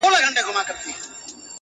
زما په سترگو كي را رسم كړي،